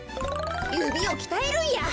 ゆびをきたえるんや。